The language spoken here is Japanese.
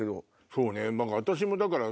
そうね。